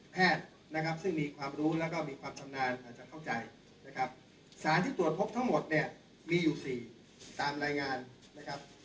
แพทย์นะครับซึ่งมีความรู้แล้วก็มีความชำนาญอาจจะเข้าใจนะครับสารที่ตรวจพบทั้งหมดเนี่ยมีอยู่สี่ตามรายงานนะครับ